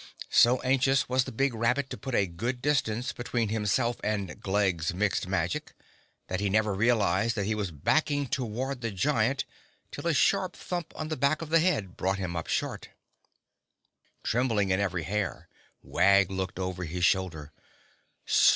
So anxious was the big rabbit to put a good distance between himself and Glegg's Mixed Magic, that he never realized that he was backing toward the giant till a sharp thump on the back of the head brought him up short. Trembling in every hair, Wag looked over his shoulder.